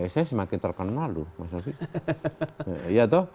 saya semakin terkenal loh